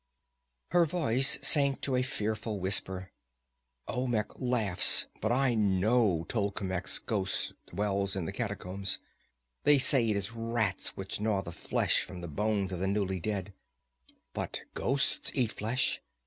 Her voice sank to a fearful whisper: "Olmec laughs, but I know Tolkemec's ghost dwells in the catacombs! They say it is rats which gnaw the flesh from the bones of the newly dead but ghosts eat flesh.